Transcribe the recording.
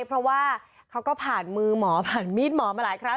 เพราะว่าเขาก็ผ่านมือหมอผ่านมีดหมอมาหลายครั้ง